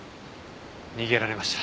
逃げられました。